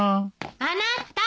・あなた！